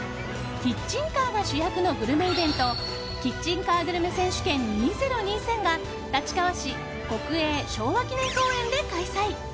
キッチンカーが主役のグルメイベントキッチンカーグルメ選手権２０２３が立川市国営昭和記念公園で開催！